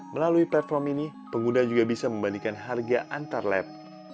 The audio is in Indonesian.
melalui platform ini pengguna juga bisa membandingkan harga antar lab